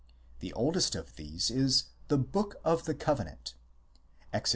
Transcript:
The oldest of these is the " Book of the Covenant " (Exod.